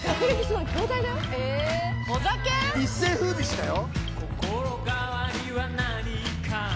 「一世風靡したよ」